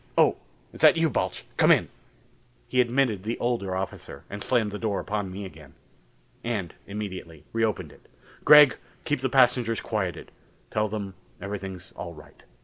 Oh, is that you, Balch? Come in." He admitted the older officer and slammed the door upon me again. And immediately reopened it. "Gregg, keep the passengers quieted. Tell them everything's all right.